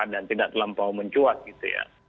dan tidak terlampau mencuat gitu ya